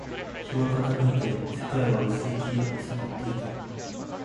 日は傾いて、世界は薄い黄色に染まっていた